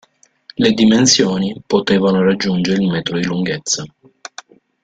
Le dimensioni potevano raggiungere il metro di lunghezza.